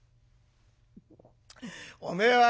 「おめえはよ